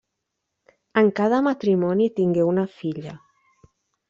En cada matrimoni tingué una filla.